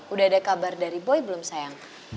udah ada kabar dari boy belum sayang